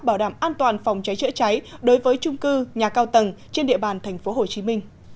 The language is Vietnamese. bảo đảm an toàn phòng cháy chữa cháy đối với trung cư nhà cao tầng trên địa bàn tp hcm